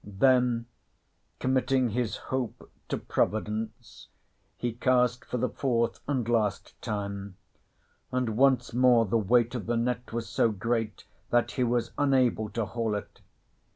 Then, committing his hope to Providence, he cast for the fourth and last time; and once more the weight of the net was so great that he was unable to haul it.